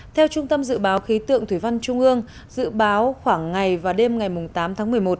theo trung tâm dự báo khí tượng thủy văn trung ương dự báo khoảng ngày và đêm ngày tám tháng một mươi một